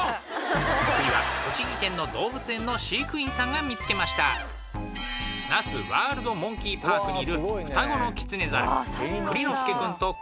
お次は栃木県の動物園の飼育員さんが見つけました那須ワールドモンキーパークにいる双子のキツネザル